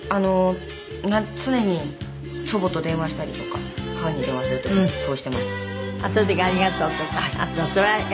常に祖母と電話したりとか母に電話する時にそうしています。